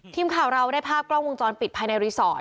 ทีมข่าวเราได้ภาพกล้องวงจรปิดภายในรีสอร์ท